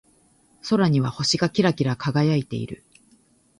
空には星がキラキラ輝いている。